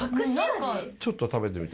ちょっと食べてみて。